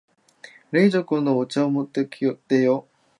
冷蔵庫のお茶持ってきてよ。